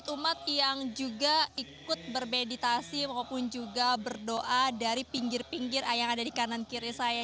umat yang juga ikut bermeditasi maupun juga berdoa dari pinggir pinggir yang ada di kanan kiri saya